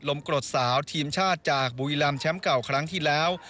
กรดสาวทีมชาติจากบุรีรำแชมป์เก่าครั้งที่แล้ว